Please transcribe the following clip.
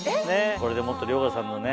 これでもっと遼河さんのね